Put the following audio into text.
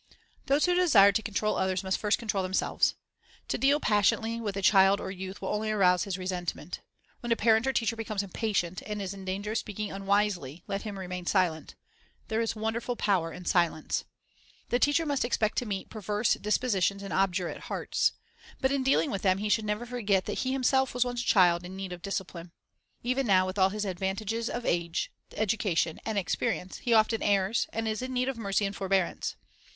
Those who desire to control others must first control themselves. To deal passionately with a child or youth will only arouse his resentment. When a parent or teacher becomes impatient, and is in clanger of speaking unwisely, let him remain silent. There is wonderful power in silence. The teacher must expect to meet perverse disposi tions and obdurate hearts. But in dealing with them he should never forget that he himself was once a child, in need of discipline. Even now, with all his advan tages of age, education, and experience, he often errs, and is in need of mercy and forbearance.